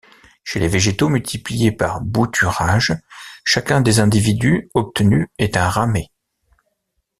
Chez les végétaux multipliés par bouturage, chacun des individus obtenus est un ramet.